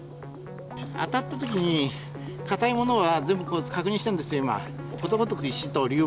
当たったときに、硬いものは全部確認してるんですよ、今。